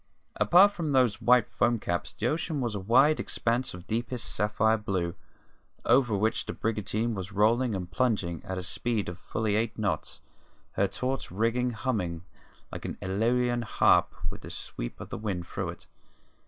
Apart from those white foam caps the ocean was a wide expanse of deepest sapphire blue, over which the brigantine was rolling and plunging at a speed of fully eight knots, her taut rigging humming like an Aeolian harp with the sweep of the wind through it.